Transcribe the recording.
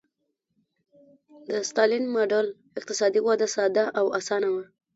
د ستالین ماډل اقتصادي وده ساده او اسانه وه